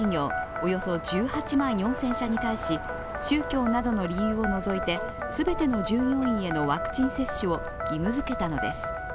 およそ１８万４０００社に対し宗教などの理由を除いて全ての従業員へのワクチン接種を義務づけたのです。